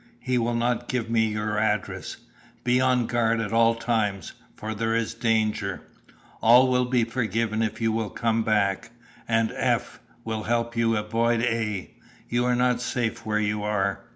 He will not give me your address. Be on guard at all times, for there is danger. All will be forgiven if you will come back, and F. will help you to avoid A. You are not safe where you are.